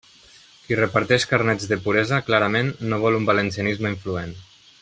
Qui reparteix carnets de puresa, clarament, no vol un valencianisme influent.